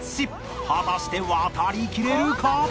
果たして渡りきれるか？